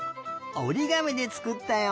おりがみでつくったよ。